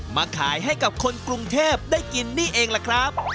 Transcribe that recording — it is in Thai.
มาขายให้กับคนกรุงเทพได้กินนี่เองล่ะครับ